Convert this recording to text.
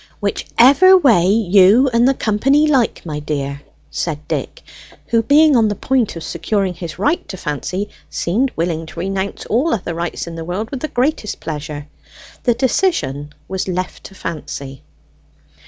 "Whichever way you and the company like, my dear!" said Dick, who, being on the point of securing his right to Fancy, seemed willing to renounce all other rights in the world with the greatest pleasure. The decision was left to Fancy.